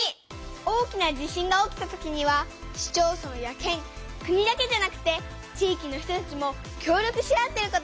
大きな地震が起きたときには市町村や県国だけじゃなくて地域の人たちも協力し合ってることがわかったよ！